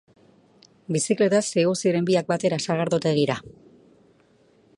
Bizikletaz igo ziren biak batera sagardotegira.